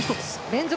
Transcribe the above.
連続。